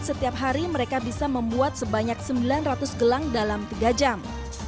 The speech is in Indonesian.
setiap hari mereka bisa membuat sebanyak sembilan ratus gelang dalam tiga jam